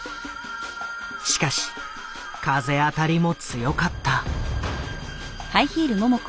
しかし風当たりも強かった。